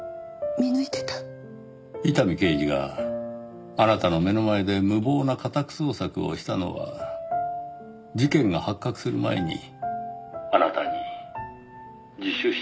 伊丹刑事があなたの目の前で無謀な家宅捜索をしたのは事件が発覚する前にあなたに自首してほしかったからですよ。